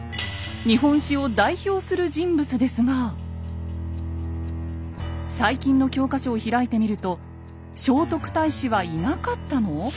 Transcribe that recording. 日本史を代表する人物ですが最近の教科書を開いてみると「聖徳太子はいなかったの？」。